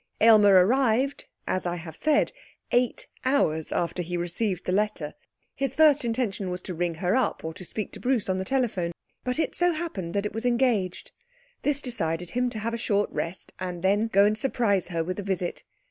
Aylmer arrived, as I have said, eight hours after he received the letter. His first intention was to ring her up, or to speak to Bruce on the telephone. But it so happened that it was engaged. This decided him to have a short rest, and then go and surprise her with a visit.